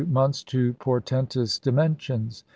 months to portentous dimensions.